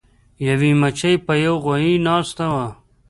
یوې مچۍ په یو غوایي ناسته وه.